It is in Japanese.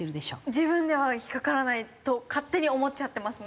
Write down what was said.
自分では引っ掛からないと勝手に思っちゃってますね。